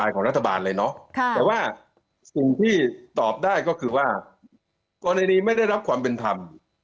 กรณีนี้ไม่ได้รับความเป็นธรรม